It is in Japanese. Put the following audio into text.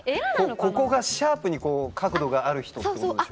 ここがシャープにこう角度がある人ってことでしょ。